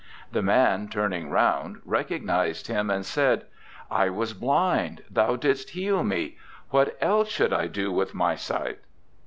The man turning round recognized Him and said, "I was blind; Thou didst heal me; what else should I do with my sight?"